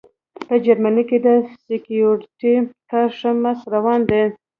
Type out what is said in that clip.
په جرمني کې د سیکیورټي کار ښه مست روان دی